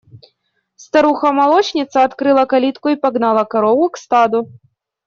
Старуха молочница открыла калитку и погнала корову к стаду.